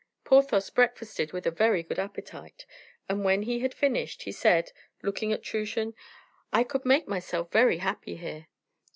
Porthos breakfasted with a very good appetite, and when he had finished, he said, looking at Truchen, "I could make myself very happy here."